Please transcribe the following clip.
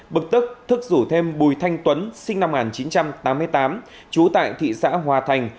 bực tức rủ thêm bùi thanh tuấn sinh năm một nghìn chín trăm tám mươi tám trú tại thị xã hòa thành